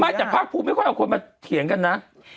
จากภาคภูมิไม่ค่อยเอาคนมาเถียงกันนะ